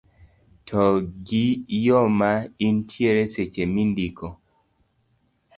to gi yo ma intiere seche mindiko